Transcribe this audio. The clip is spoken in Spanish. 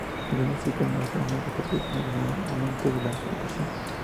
El video musical muestra una recopilación de los momentos de la agrupación.